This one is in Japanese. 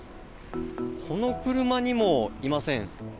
この車にもいません。